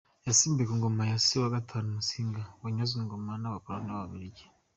Yasimbuye ku ngoma se Yuhi V Musinga wanyazwe ingoma n’abakoloni b’ababiligi.